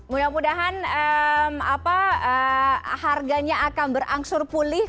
mudah mudahan harganya akan berangsur pulih